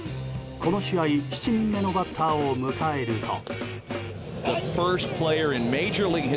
この試合７人目のバッターを迎えると。